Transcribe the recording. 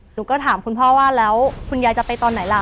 หนูก็ถามคุณพ่อว่าแล้วคุณยายจะไปตอนไหนล่ะ